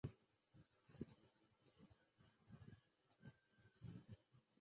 এরপরে মেহেরপুর জেলার গাংনী সরকারি কলেজ শিক্ষক হিসাবে যোগদান করেন, এখানে থেকেও অবসর গ্রহণ করেন।